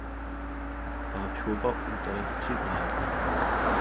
ბავშვობა უტრეხტში გაატარა.